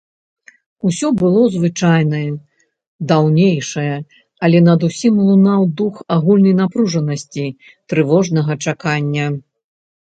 Усё было звычайнае, даўнейшае, але над усім лунаў дух агульнай напружанасці, трывожнага чакання.